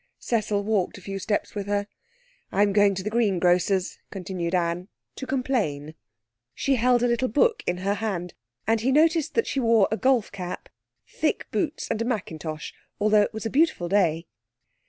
Cecil walked a few steps with her. 'I'm going to the greengrocer's,' continued Anne, 'to complain.' She held a little book in her hand, and he noticed that she wore a golf cap, thick boots, and a mackintosh, although it was a beautiful day.